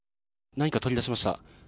何か取り出しました。